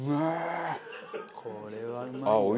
これはうまい。